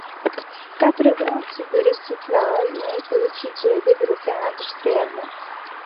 Quatre grands types de recyclages ont été étudiés et développés industriellement.